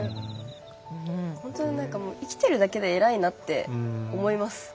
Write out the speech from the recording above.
本当に生きてるだけで偉いなって思います。